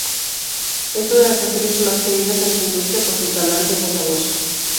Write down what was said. Es una de las actrices más queridas en su industria, por su talante bondadoso.